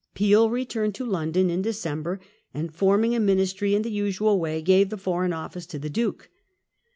Peel returned to London in December ; and, forming a Ministry in the usual way, gave the Foreign Office to the Duke.